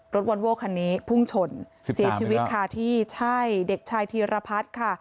วอนโว้คันนี้พุ่งชนเสียชีวิตค่ะที่ใช่เด็กชายธีรพัฒน์ค่ะ